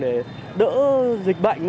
để đỡ dịch bệnh